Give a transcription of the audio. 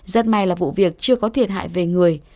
rất may là vụ việc chưa có thiệt hại về người